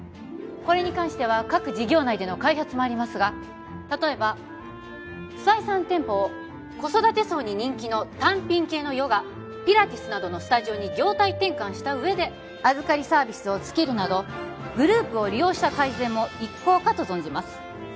これに関しては各事業内での開発もありますが例えば不採算店舗を子育て層に人気の単品系のヨガピラティスなどのスタジオに業態転換した上で預かりサービスをつけるなどグループを利用した改善も一考かと存じます